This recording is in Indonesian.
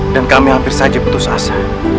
dan kami hampir saja putus asa